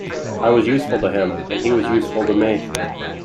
I was useful to him, and he was useful to me.